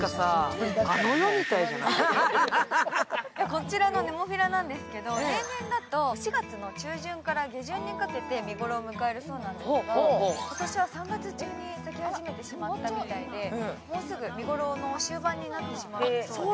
こちらのネモフィラなんですけど、例年だと４月の中旬から下旬にかけてが見ごろを迎えるそうなんですけど、今年は３月中に咲き始めてしまったみたいで、もうすぐ見頃の終盤になってしまうので。